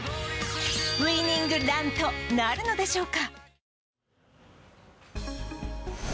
ウイニングランとなるのでしょうか。